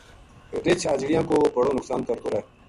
رچھ اجڑیاں کو بڑو نقصان کرتو رہ